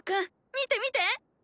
見て見て！